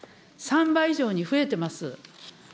３倍以上に増えてます。